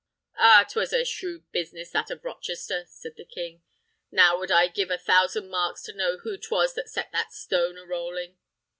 "Ah, 'twas a shrewd business that of Rochester," said the king. "Now would I give a thousand marks to know who 'twas that set that stone a rolling.